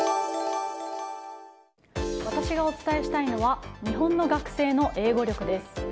私がお伝えしたいのは日本の学生の英語力です。